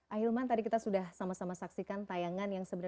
ahilman tadi kita sudah sama sama saksikan tayangan yang sebenarnya